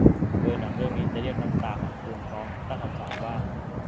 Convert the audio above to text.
โดยหนังเรื่องนี้จะเรียกน้ำตาของคุณพร้อมตั้งคำถามว่า